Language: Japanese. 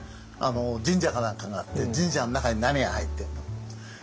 神社か何かがあって神社の中に何が入ってるんだって。